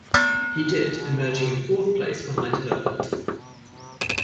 He did, emerging in fourth place behind Herbert.